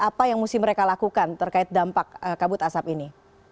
apa yang mesti mereka lakukan terkait dampak kabut asap ini